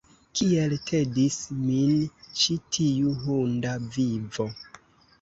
Kiel tedis min ĉi tiu hunda vivo!